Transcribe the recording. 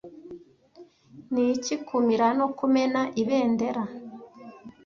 Niki kumira no kumena Ibendera